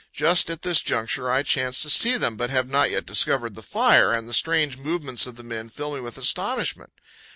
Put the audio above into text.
Just at this juncture I chance to see them, but have not yet discovered the fire, and the strange movements of the men fill me with astonishment.